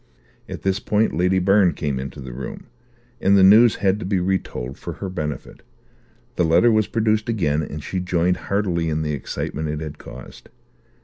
At this point Lady Byrne came into the room, and the news had to be retold for her benefit; the letter was produced again, and she joined heartily in the excitement it had caused.